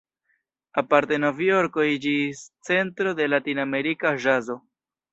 Aparte Novjorko iĝis centro de ”latinamerika ĵazo".